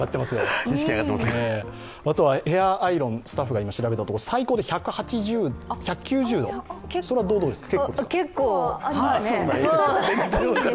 あとはヘアアイロン、スタッフが今調べたところ最高で１９０度、それは結構ですか？